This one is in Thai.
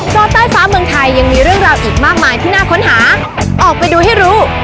เพราะใต้ฟ้าเมืองไทยยังมีเรื่องราวอีกมากมายที่น่าค้นหาออกไปดูให้รู้